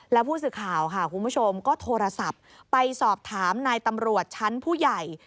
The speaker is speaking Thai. แล้วผู้สื่อข่าวค่ะคุณผู้ชมก็โทรศัพท์ไปสอบถามนายตำรวจชั้นผู้ใหญ่